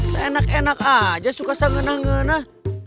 saya enak enak aja suka saya ngenah ngenah